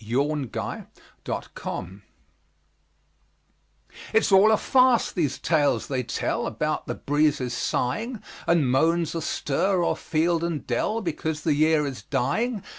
MERRY AUTUMN It's all a farce, these tales they tell About the breezes sighing, And moans astir o'er field and dell, Because the year is dying.